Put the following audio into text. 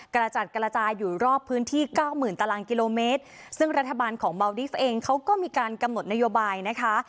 กระจัดกระจายอยู่รอบพื้นที่เก้าหมื่นตารางกิโลเมตรซึ่งรัฐบาลของเบาดิฟต์เองเขาก็มีการกำหนดนโยบายนะคะ